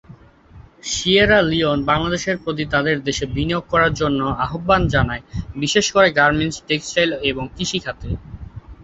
Sierra Leone বাংলাদেশের প্রতি তাদের দেশে বিনিয়োগ করার জন্য আহবান জানায়, বিশেষ করে গার্মেন্টস, টেক্সটাইল এবং কৃষি খাতে।